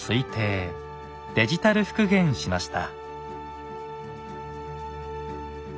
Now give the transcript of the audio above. デジタル復元しました。